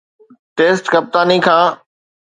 test ڪپتاني کان